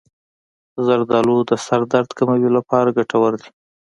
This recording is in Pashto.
زردآلو د سر درد کمولو لپاره ګټور دي.